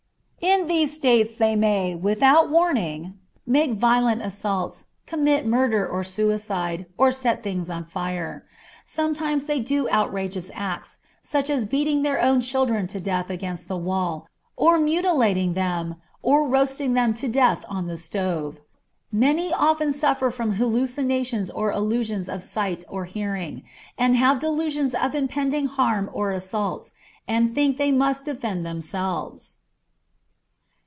In these states they may, without warning, make violent assaults, commit murder or suicide, or set things on fire. Sometimes they do outrageous acts, such as beating their own children to death against the wall, or mutilating them, or roasting them to death on the stove. Many often suffer from hallucinations or illusions of sight or hearing, and have delusions of impending harm or assaults, and think they must defend themselves.